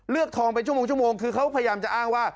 เลือกทองเป็นชั่วโมงคือเขาพยายามจะอ้างว่า